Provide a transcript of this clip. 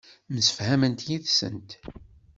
Msefhament yid-sent.